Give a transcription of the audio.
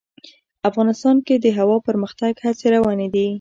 افغانستان کې د هوا د پرمختګ هڅې روانې دي.